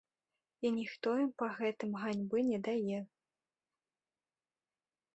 І ніхто ім па гэтым ганьбы не дае.